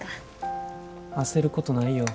焦ることないよ。